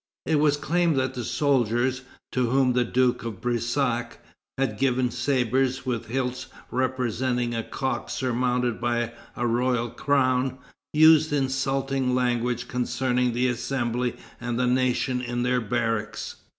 It was claimed that the soldiers, to whom the Duke de Brissac had given sabres with hilts representing a cock surmounted by a royal crown, used insulting language concerning the Assembly and the nation in their barracks.